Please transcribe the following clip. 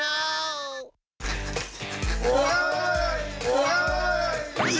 อ้าวไม่